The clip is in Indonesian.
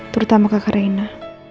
terutama kak reina